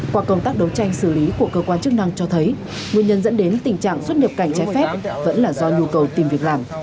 qua công tác đấu tranh xử lý của cơ quan chức năng cho thấy nguyên nhân dẫn đến tình trạng xuất nhập cảnh trái phép vẫn là do nhu cầu tìm việc làm